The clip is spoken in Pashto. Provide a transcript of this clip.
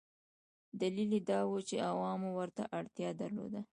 دلیل یې دا و چې عوامو ورته اړتیا درلوده.